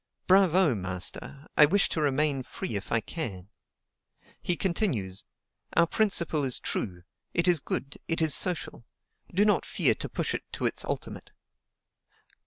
Bravo! master; I wish to remain free if I can. He continues: "Our principle is true; it is good, it is social. Do not fear to push it to its ultimate.